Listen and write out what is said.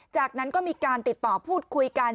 จากนั้นก็มีการติดต่อพูดคุยกัน